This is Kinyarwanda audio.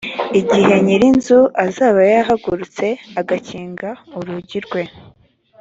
igihe nyir inzu azaba yahagurutse agakinga urugi rwe